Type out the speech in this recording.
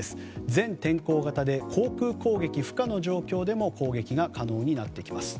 全天候型で航空攻撃不可の状況でも攻撃が可能になってきます。